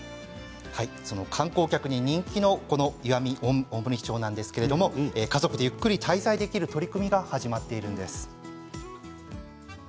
観光客に人気の大森町なんですが家族でゆっくり滞在できる取り組みが始まっているんです。